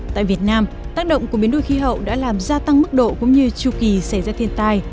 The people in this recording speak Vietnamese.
tại việt nam tác động của biến đổi khí hậu đã làm gia tăng mức độ cũng như tru kỳ xảy ra thiên tai